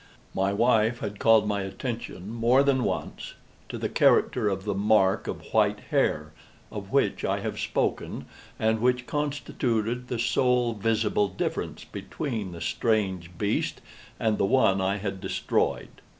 My wife had called my attention, more than once, to the character of the mark of white hair, of which I have spoken, and which constituted the sole visible difference between the strange beast and the one I had destroyed.